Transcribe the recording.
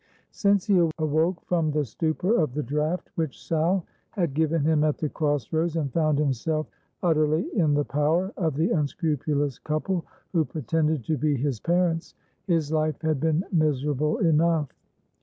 Since he awoke from the stupor of the draught which Sal had given him at the cross roads, and found himself utterly in the power of the unscrupulous couple who pretended to be his parents, his life had been miserable enough.